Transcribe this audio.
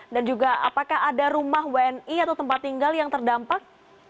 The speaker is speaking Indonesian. dan juga apakah ada rumah wni atau tempat tinggal yang terdampak